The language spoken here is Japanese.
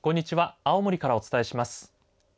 青森からお伝えします。